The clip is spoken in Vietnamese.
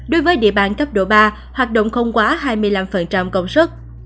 đối với địa bàn cấp độ ba hoạt động không quá hai mươi năm công sức